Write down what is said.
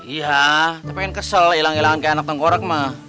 iya tapi kan kesel ilang ilangan kayak anak tengkorak mah